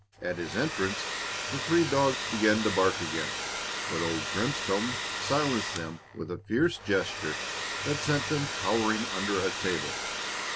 At his entrance the three dogs began to bark again, but old Grimstone silenced them with a fierce gesture that sent them cowering under a table.